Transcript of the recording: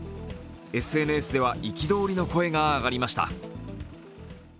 ＳＮＳでは憤りの声が上がりました。